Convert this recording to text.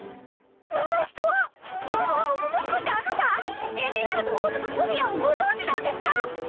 なんですと⁉もももももしかしてあなた「エメラルド王女とソフィア」をご存じなんですか